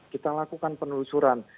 kita lakukan penelusuran